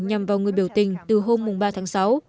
nhằm vào người biểu tình từ hôm ba tháng sáu